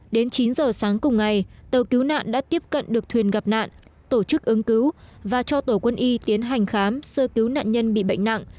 đến chín giờ sáng cùng ngày tàu cứu nạn đã tiếp cận được thuyền gặp nạn tổ chức ứng cứu và cho tổ quân y tiến hành khám sơ cứu nạn nhân bị bệnh nặng